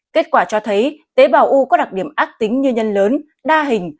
kết quả cho thấy tế bào u có đặc điểm ác tính như nhân lớn đa hình